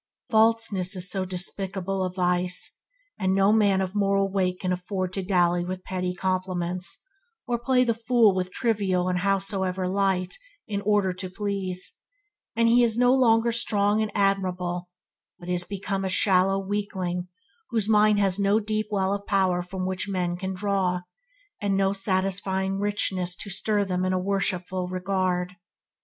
Falseness is so despicable a vice and no man of moral weight can afford to dally with pretty complements, or play the fool with trivial and howsoever light, in order to please, and he is no longer strong and admirable, but is become a shallow weakling whose mind has no deep well of power from which men can draw, and no satisfying richness to stir in them a worshipful regard.